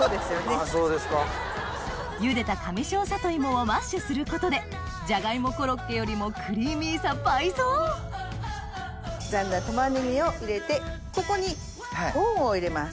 あぁそうですか。ゆでた上庄さといもをマッシュすることでジャガイモコロッケよりもクリーミーさ倍増刻んだ玉ねぎを入れてここにコーンを入れます。